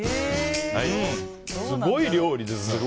すごい料理ですね。